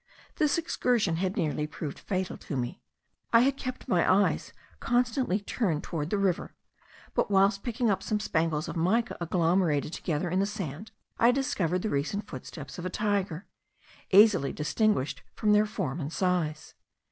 This excursion had nearly proved fatal to me. I had kept my eyes constantly turned towards the river; but, whilst picking up some spangles of mica agglomerated together in the sand, I discovered the recent footsteps of a tiger, easily distinguishable from their form and size.